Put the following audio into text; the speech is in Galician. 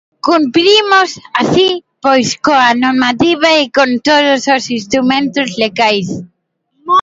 Cumprimos así, pois, coa normativa e con todos os instrumentos legais.